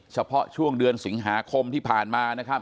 เฉพาะช่วงเดือนสิงหาคมที่ผ่านมานะครับ